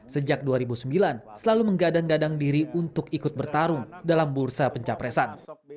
sejak dua ribu sembilan selalu menggadang gadang diri untuk ikut bertarung dalam bursa pencapresan